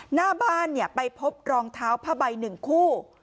หน้าบ้านไปพบรองเท้าผ้าใบ๑คู่